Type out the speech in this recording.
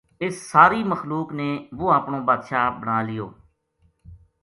اس ساری مخلوق نے وہ اپنو بادشاہ بنا لیو